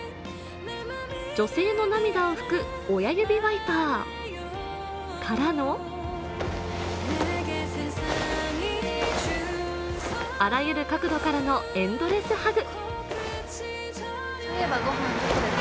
女性の涙を拭く親指ワイパーからのあらゆる角度からのエンドレスハグ。